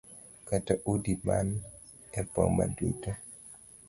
Kata udi man e boma duto.